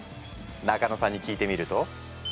中野さんに聞いてみると。